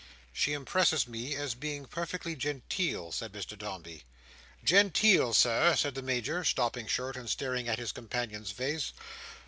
"She impresses me as being perfectly genteel," said Mr Dombey. "Genteel, Sir," said the Major, stopping short, and staring in his companion's face.